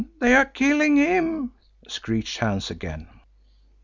They are killing him," screeched Hans again.